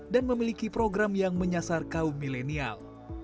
dan memiliki program yang menyasar kaum milenial